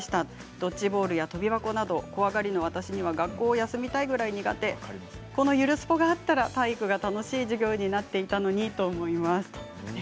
ドッジボールやとび箱など怖がりの私には学校を休みたいぐらいになってこのゆるスポがあったら体育が楽しい授業になっていたのにと思います。